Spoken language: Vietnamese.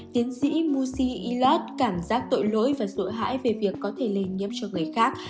tiến sĩ mushi ilot cảm giác tội lỗi và sụi hãi về việc có thể lên nhấp cho người khác